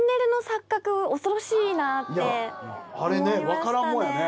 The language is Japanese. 恐ろしいなって思いましたね。